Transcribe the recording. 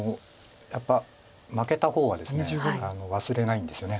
やっぱ負けた方はですね忘れないんですよね。